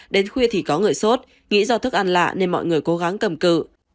đến khuya thì có người sốt nghĩ do thức ăn lạ nên mọi người cố gắng cầm cự